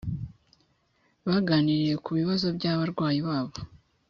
baganiriye ku bibazo by abarwayi babo